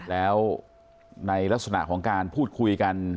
แล้วในลักษณะของการพูดคุยกัน